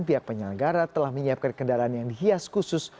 pihak penyelenggara telah menyiapkan kendaraan yang dihias khusus